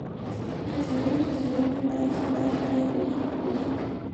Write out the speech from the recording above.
Recibió sus estudios de educación primaria en la escuela Primaria "Lic.